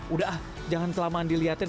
udah ah jangan kelamaan dilihatin